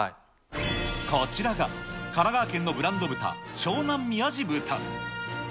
こちらが神奈川県のブランド豚、湘南みやじ